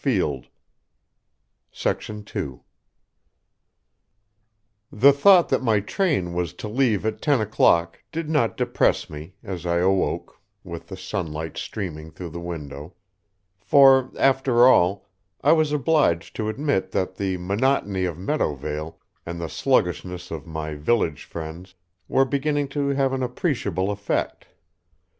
Did I remember Sylvia? The thought that my train was to leave at ten o'clock did not depress me as I awoke, with the sunlight streaming through the window, for, after all, I was obliged to admit that the monotony of Meadowvale and the sluggishness of my village friends were beginning to have an appreciable effect.